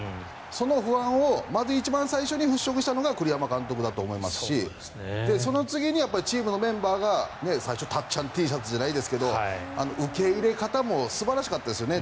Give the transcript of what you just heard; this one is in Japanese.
その不安をまず一番最初に払しょくしたのが栗山監督だと思いますしその次にチームのメンバーが最初、たっちゃんＴシャツじゃないですが受け入れ方も素晴らしかったですよね。